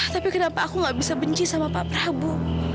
tapi kenapa aku gak bisa benci sama pak prabu